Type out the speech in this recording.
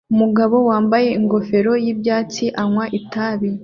Umugabo wambaye ingofero y'ibyatsi anywa itabi